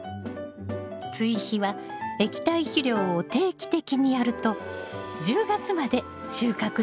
追肥は液体肥料を定期的にやると１０月まで収穫できるわよ。